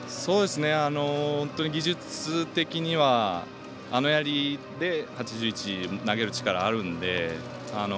技術的にはあのやりで８１ｍ投げる力があるので。